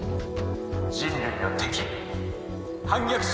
「人類の敵反逆者